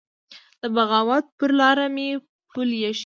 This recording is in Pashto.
د بغاوت پر لار مي پل يښی